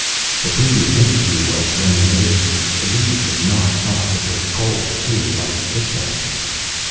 "The previous interview was when we noticed it. The leady was not hot. It was cold, too, like this one."